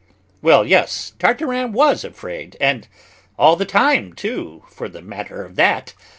Well, yes, Tartarin was afraid, and all the time, too, for the matter of that.